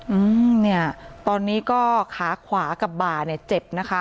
อืมเนี่ยตอนนี้ก็ขาขวากับบ่าเนี่ยเจ็บนะคะ